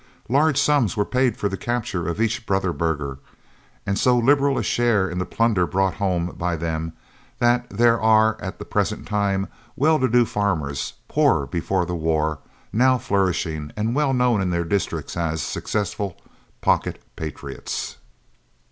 Large sums were paid for the capture of each brother burgher, and so liberal a share in the plunder brought home by them that there are, at the present time, well to do farmers, poor before the war, now flourishing and well known in their districts as successful "pocket patriots."